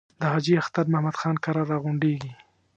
د حاجي اختر محمد خان کره را غونډېږي.